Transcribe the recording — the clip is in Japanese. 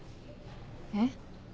えっ？